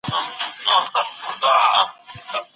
ازلي یوازې خدای دی چي نه پیل لري او نه پای.